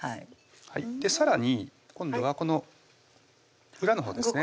さらに今度はこの裏のほうですね